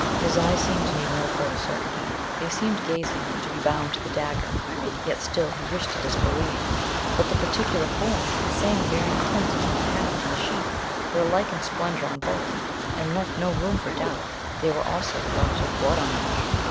His eyes seemed to need no further certainty they seemed gazing to be bound to the dagger; yet still he wished to disbelieve; but the particular form, the same varying tints upon the haft and sheath were alike in splendour on both, and left no room for doubt; there were also drops of blood on each.